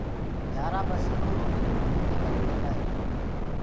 گھيآرآ ٻسيرو روجي روٽيو ڪي ڪري هينٚ۔